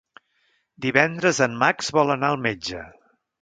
Divendres en Max vol anar al metge.